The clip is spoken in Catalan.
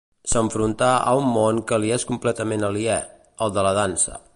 S'enfrontarà a un món que li és completament aliè, el de la dansa.